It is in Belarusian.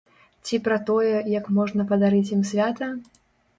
Ці пра тое, як можна падарыць ім свята?